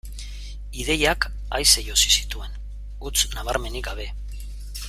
Ideiak aise josi zituen, huts nabarmenik gabe.